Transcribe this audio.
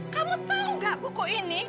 kamu tau gak buku ini